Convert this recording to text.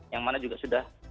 yang mana juga sudah